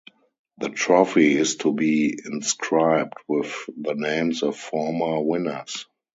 The trophy is to be inscribed with the names of former winners.